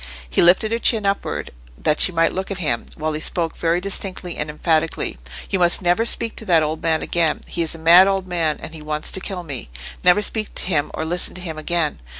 He lifted her chin upward, that she might look at him, while he spoke very distinctly and emphatically. "You must never speak to that old man again. He is a mad old man, and he wants to kill me. Never speak to him or listen to him again."